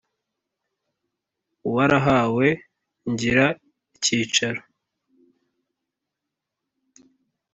warahawe ngira icyicaro.